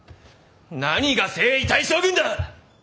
何が征夷大将軍だ！